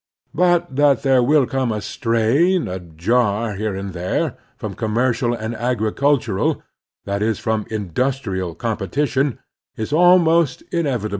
But that there will come a strain, a jar, here and there, from coHMnercial and agricultiu'al — ^that is, from industrial — competition, is almost inevitable.